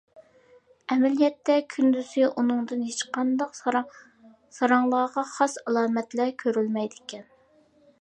ئەمەلىيەتتە كۈندۈزى ئۇنىڭدىن ھېچقانداق ساراڭلارغا خاس ئالامەتلەر كۆرۈلمەيدىكەن.